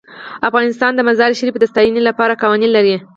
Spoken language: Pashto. افغانستان د مزارشریف د ساتنې لپاره قوانین لري.